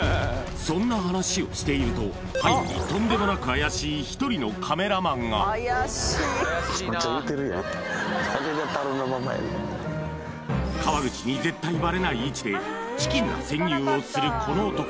そんな話をしていると背後にとんでもなく怪しい１人のカメラマンが川口に絶対バレない位置でチキンな潜入をするこの男